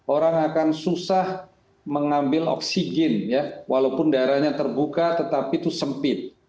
orang akan susah mengambil oksigen ya walaupun daerahnya terbuka tetapi itu sempit